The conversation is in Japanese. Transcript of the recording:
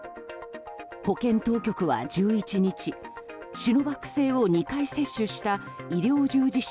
保健当局は１１日シノバック製を２回接種した医療従事者